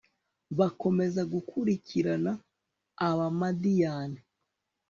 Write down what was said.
bakomeza gukurikirana abamadiyani